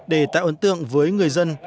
để tạo ấn tượng với người dân